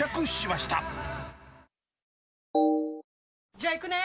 じゃあ行くね！